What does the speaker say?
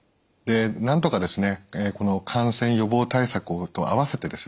なんとかこの感染予防対策と併せてですね